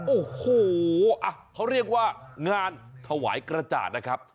โอ้โหเขาเรียกว่างานถวายกระจาดนะครับ